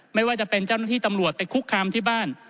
ไม่ว่าจะเป็นเจ้าหน้าที่ตำรวจไปคุกคามที่บ้าน